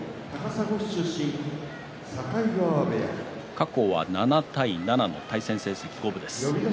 過去は７対７の対戦成績五分です。